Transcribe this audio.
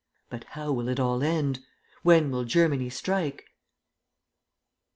BUT HOW WILL IT ALL END? WHEN WILL GERMANY STRIKE?